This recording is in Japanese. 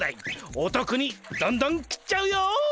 おとくにどんどん切っちゃうよ！